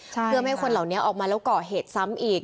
เพื่อไม่ให้คนเหล่านี้ออกมาแล้วก่อเหตุซ้ำอีก